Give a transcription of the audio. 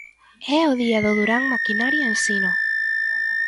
É o día do Durán Maquinaria Ensino.